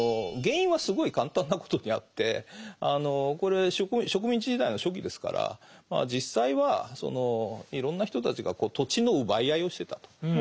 原因はすごい簡単なことにあってこれ植民地時代の初期ですから実際はそのいろんな人たちが土地の奪い合いをしてたと。